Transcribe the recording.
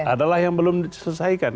adalah yang belum diselesaikan